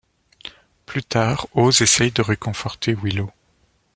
Plus tard, Oz essaie de réconforter Willow.